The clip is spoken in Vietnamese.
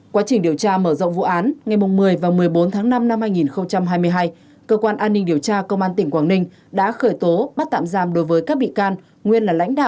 quá trình điều tra mở rộng vụ án ngày một mươi và một mươi bốn tháng năm năm hai nghìn hai mươi hai cơ quan an ninh điều tra công an tỉnh quảng ninh